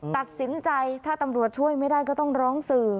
ตัดสินใจถ้าตำรวจช่วยไม่ได้ก็ต้องร้องสื่อ